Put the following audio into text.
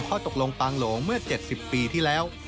ข้อตกลงปางโหลงเมื่อ๗๐ปีที่แล้ว